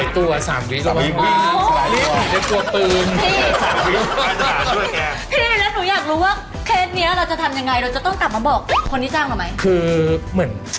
ตัวผืน